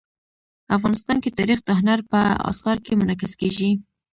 افغانستان کې تاریخ د هنر په اثار کې منعکس کېږي.